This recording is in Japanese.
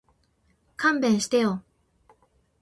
勘弁してよ